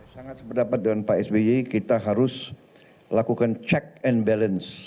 sangat sependapat dengan pak sby kita harus lakukan check and balance